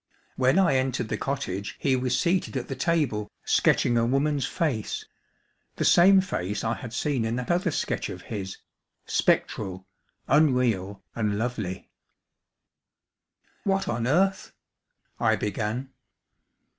When I entered the cottage he was seated at the table sketching a woman's face the same face I had seen in that other sketch of his, spectral, unreal, and lovely. "What on earth ?" I began.